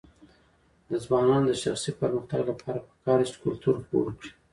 د ځوانانو د شخصي پرمختګ لپاره پکار ده چې کلتور خپور کړي.